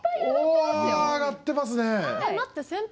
うわ挙がってますね。